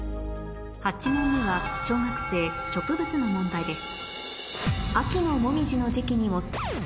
８問目は小学生植物の問題です